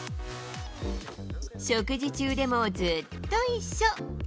食事中でもずっと一緒。